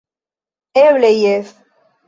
Eble jes!